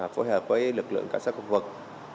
phối hợp với lực lượng các xã khu vực